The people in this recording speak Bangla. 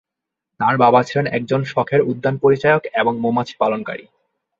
তাঁর বাবা ছিলেন একজন শখের উদ্যান-পরিচারক ও মৌমাছি পালনকারী।